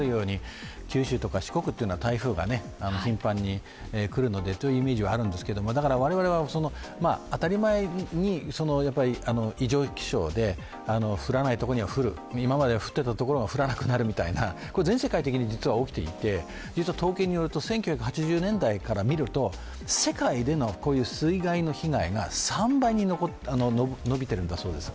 九州とか四国というのは台風が頻繁に来るのでそういうイメージはあるんですが、我々は当たり前に異常気象で降らないところには降る、今まで降ってたところが降らなくなるみたいな、全世界的に実は起きていて、実は統計によると１９８０年代から見ると世界での水害の被害が３倍に伸びてるんだそうです。